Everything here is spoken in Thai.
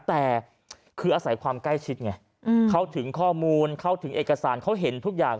แต่คืออาศัยความใกล้ชิดไงเข้าถึงข้อมูลเข้าถึงเอกสารเขาเห็นทุกอย่าง